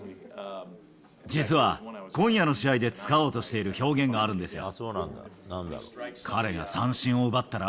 実は、今夜の試合で使おうとしている表現があるんですよ。